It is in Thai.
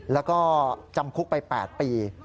แล้วก็จำคุกไป๘ปี